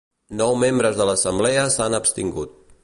Nou membres de l’assemblea s’han abstingut.